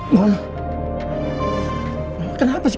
ma kenapa sih